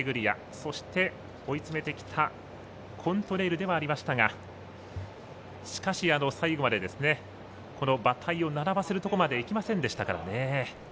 そして、追い詰めてきたコントレイルではありましたがしかし、最後まで馬体を並ばせるところまでいきませんでしたからね。